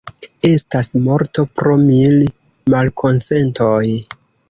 Estas morto pro mil malkonsentoj.